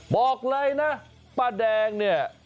บอกเลยนะป้าแดงเนี่ย